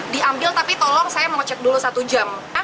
diambil tapi tolong saya mau cek dulu satu jam